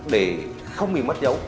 để không bị mất dấu